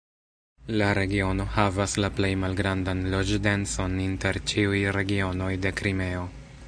La regiono havas la plej malgrandan loĝ-denson inter ĉiuj regionoj de Krimeo.